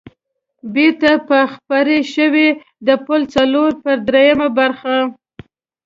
بېرته به خپرې شوې، د پل څلور پر درېمه برخه.